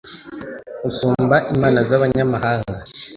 usumba imana z'inyamahanga